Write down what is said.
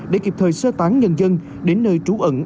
để kịp thời sơ tán nhân dân đến nơi trú ẩn